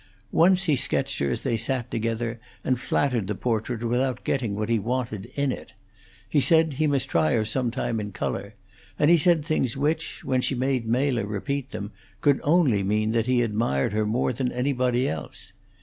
Once he sketched her as they sat together, and flattered the portrait without getting what he wanted in it; he said he must try her some time in color; and he said things which, when she made Mela repeat them, could only mean that he admired her more than anybody else.